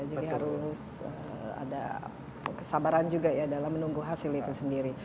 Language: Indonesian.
jadi harus ada kesabaran juga ya dalam menunggu hasil itu sendiri